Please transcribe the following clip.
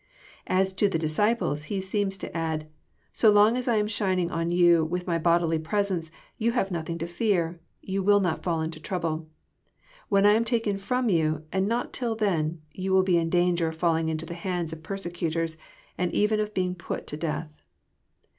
As to the disciples. He seems to add, *' So long as I am shining on you with my bodily presence, you have nothing to fear, you will not fBdl into trouble. When I am taken fh>m you, and not till then, yon will be in danger of falling into the hands of per secutors, and even of being put to death."